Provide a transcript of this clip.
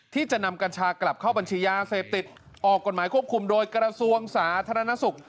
ที่จะนำกัญชากลับเข้าบัญชียาเสพติดออกกฎหมายควบคุมโดยกระทรวงสาธารณสุข